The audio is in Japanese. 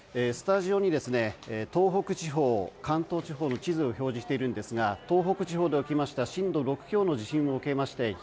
スタジオに東北地方、関東地方の地図を表示しているんですが東北地方で起きました震度６強の地震を受けまして